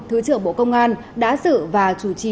thứ trưởng bộ công an đã xử và chủ trì